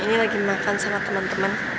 ini lagi makan sama teman teman